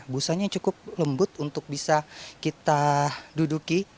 busanya cukup lembut untuk bisa kita duduki